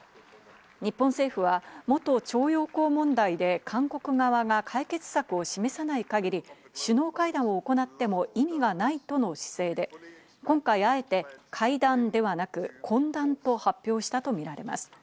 日本政府は元徴用工問題で韓国側が解決策を示さない限り、首脳会談を行っても意味がないとの姿勢で、今回、あえて会談ではなく懇談と発表したとみられます。